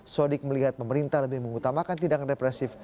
sodik melihat pemerintah lebih mengutamakan tindakan represif